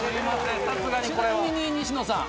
ちなみに西野さん